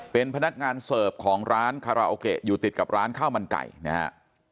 เป็นพนักงานเสิร์ฟของร้านคาราโอเกะอยู่ติดกับร้านข้าวมันไก่นะฮะ